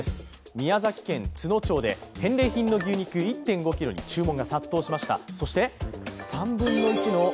宮崎県都農町で返礼品の牛肉１．５ｋｇに注文が殺到しました。